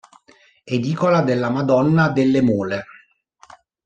Edicola della Madonna delle Mole.